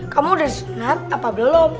kamu udah sunard apa belum